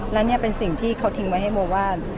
และนี่เป็นสิ่งที่เขาทิ้งไว้ให้โมว่า